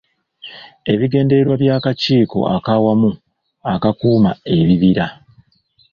Ebigendererwa by'Akakiiko ak'Awamu Akakuuma Ebibira.